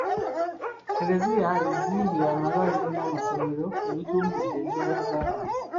Eklezia ezimbye amalwaliro n'amasomero ebitumbudde embeera z’abantu.